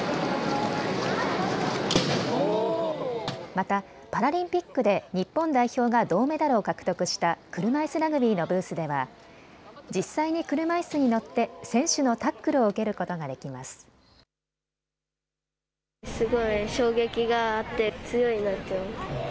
また、パラリンピックで日本代表が銅メダルを獲得した車いすラグビーのブースでは実際に車いすに乗って選手のタックルを受けることができます。